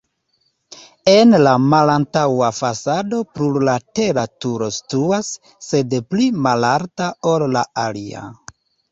En la malantaŭa fasado plurlatera turo situas, sed pli malalta, ol la alia.